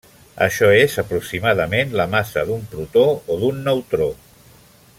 Això és aproximadament la massa d'un protó o d'un neutró.